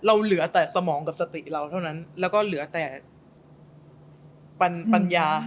เหลือแต่สมองกับสติเราเท่านั้นแล้วก็เหลือแต่ปัญญา